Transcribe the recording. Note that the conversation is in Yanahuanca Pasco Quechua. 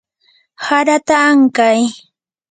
harata ankay.